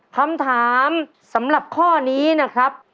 คำถามสำหรับข้อนี้นะครับ